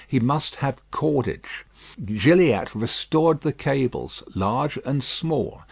He must have cordage. Gilliatt restored the cables, large and small.